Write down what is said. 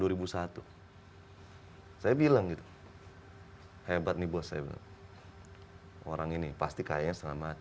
hai saya bilang gitu hai hebat nih bos saya orang ini pasti kayaknya selamat